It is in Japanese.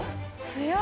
強い！